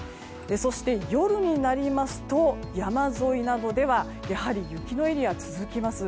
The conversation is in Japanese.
そして、夜になりますと山沿いなどでは雪のエリアが続きます。